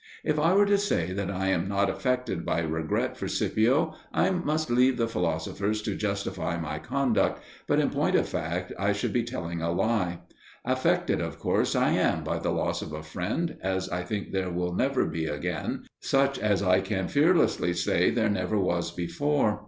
If I were to say that I am not affected by regret for Scipio, I must leave the philosophers to justify my conduct, but in point of fact I should be telling a lie. Affected of course I am by the loss of a friend as I think there will never be again, such as I can fearlessly say there never was before.